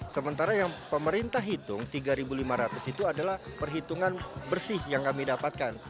sementara yang pemerintah hitung tiga lima ratus itu adalah perhitungan bersih yang kami dapatkan